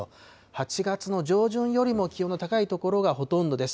８月の上旬よりも気温の高い所がほとんどです。